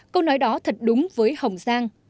câu nói đó thật đúng với hồng giang